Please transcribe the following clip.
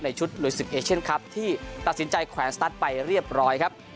ชุดลุยศึกเอเชียนคลับที่ตัดสินใจแขวนสตั๊ดไปเรียบร้อยครับ